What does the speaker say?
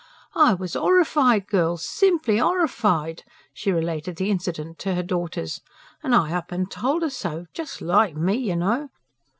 "I was 'orrified, girls, simply 'ORRIFIED!" she related the incident to her daughters. "An' I up an' told 'er so just like me, you know.